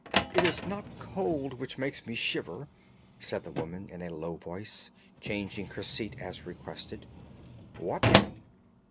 "It is not cold which makes me shiver," said the woman in a low voice, changing her seat as requested. "What, then?"